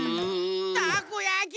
たこやき！